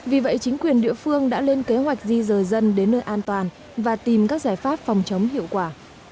vì vậy chính quyền địa phương đã lên kế hoạch di rời dân đến nơi an toàn và tìm các giải pháp phòng chống hiệu quả